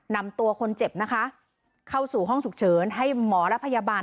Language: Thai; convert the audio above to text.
นำตัวคนเจ็บนะคะเข้าสู่ห้องฉุกเฉินให้หมอและพยาบาล